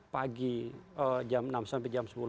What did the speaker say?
pagi jam enam sampai jam sepuluh